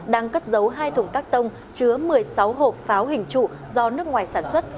đang cất giấu hai thùng các tông chứa một mươi sáu hộp pháo hình trụ do nước ngoài sản xuất